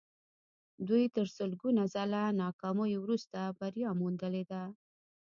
دوی تر سلګونه ځله ناکامیو وروسته بریا موندلې ده